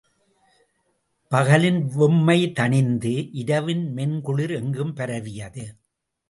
பகலின் வெம்மை தணிந்து இரவின் மென்குளிர் எங்கும் பரவியது.